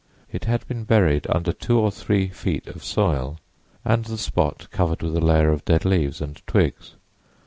It had been buried under two or three feet of soil and the spot covered with a layer of dead leaves and twigs.